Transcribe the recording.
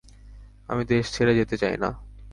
আমি দেশ ছেড়ে যেতে চাই না।